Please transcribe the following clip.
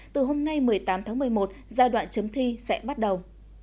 từ hôm nay một mươi tám tháng một mươi một giai đoạn chấm thi sẽ bắt đầu